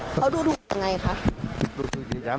เขาดูถูกอะไรครับ